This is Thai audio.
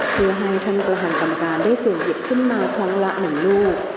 เพื่อให้ท่านกรหารกรรมการได้สิ่งหยิบขึ้นมาท้องหละหนึ่งลูก